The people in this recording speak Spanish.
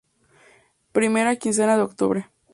Primera quincena de octubre.